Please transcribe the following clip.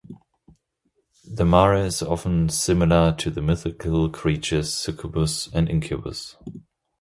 The mare is often similar to the mythical creatures succubus and incubus.